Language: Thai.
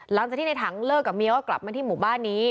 หลังจากที่ในถังเลิกกับเมียก็กลับมาที่หมู่บ้านนี้